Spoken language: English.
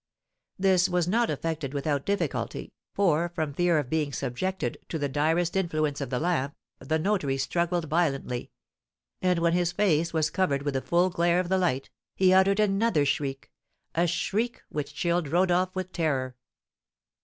This was not effected without difficulty, for, from fear of being subjected to the direst influence of the lamp, the notary struggled violently; and when his face was covered with the full glare of the light, he uttered another shriek, a shriek which chilled Rodolph with terror.